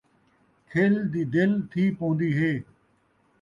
کھل دی دل تھی پون٘دی ہے